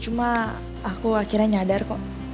cuma aku akhirnya nyadar kok